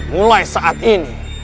mulai saat ini